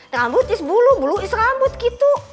rambut is bulu bulu is rambut gitu